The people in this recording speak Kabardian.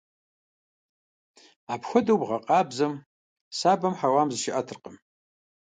Апхуэдэу бгъэкъабзэм сабэм хьэуам зыщиӀэтыркъым.